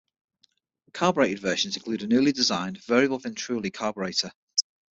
Carbureted versions include a newly designed, variable-venturi carburetor.